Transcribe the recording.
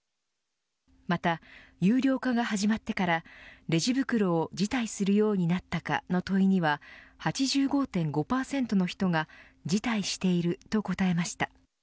また有料化が始まってからレジ袋を辞退するようになったかの問いには８５．５％の人が辞退していると答えました。